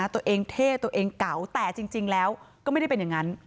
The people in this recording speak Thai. ตัวเองเท่ตัวเองเก่าแต่จริงแล้วก็ไม่ได้เป็นอย่างนั้น